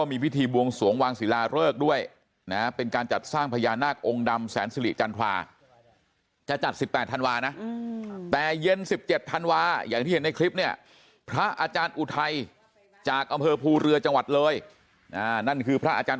มีทาสไฟในพระเครื่องเลยไง